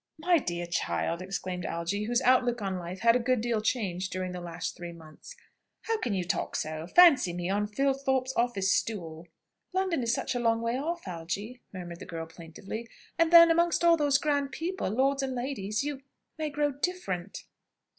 "My dear child!" exclaimed Algy, whose outlook on life had a good deal changed during the last three months, "how can you talk so? Fancy me on Filthorpe's office stool!" "London is such a long way off, Algy," murmured the girl plaintively. "And then, amongst all those grand people, lords and ladies, you you may grow different."